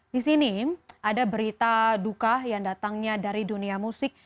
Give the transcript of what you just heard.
di sini ada berita duka yang datangnya dari dunia musik